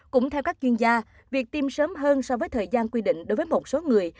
cũng theo các chuyên gia việc tiêm sớm hơn so với thời gian quy định đối với một số người